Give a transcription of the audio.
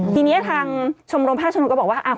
ทีนี้ทางชมรมภาคชนมก็บอกว่า